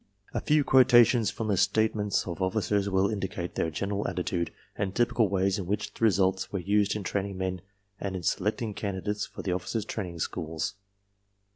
A few quotations from the statements of officers will indicate their general attitude, and typical ways in which the results were used in training men and in selecting candidates for the oflBcers' training schools.